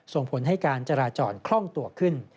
ส่งผลให้การจราจรคล่องตัวขึ้น